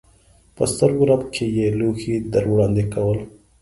په سترګو رپ کې یې لوښي در وړاندې کول.